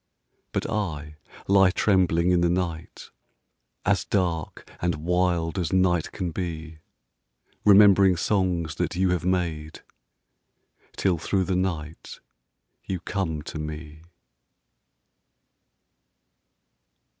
But I lie trembling in the night, As dark and wild as night can be, Remembering songs that you have made Till through the night you come to me.